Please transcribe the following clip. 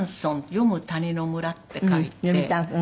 「読む谷の村」って書いて「読谷村」。